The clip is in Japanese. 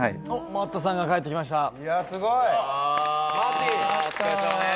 「おっＭａｔｔさんが帰ってきました」